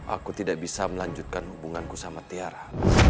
aku tidak bisa melanjutkan hubunganku sama tiara